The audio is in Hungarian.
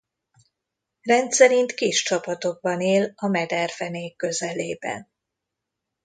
Rendszerint kis csapatokban él a mederfenék közelében.